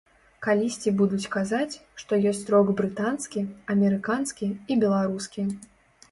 Калісьці будуць казаць, што ёсць рок брытанскі, амерыканскі і беларускі.